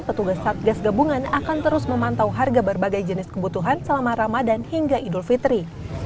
petugas satgas gabungan akan terus memantau harga berbagai jenis kebutuhan selama ramadan hingga idul fitri